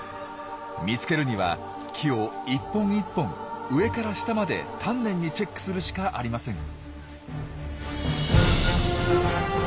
見つけるには木を１本１本上から下まで丹念にチェックするしかありません。